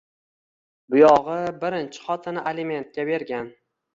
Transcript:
Buyog`i birinchi xotini alimentga bergan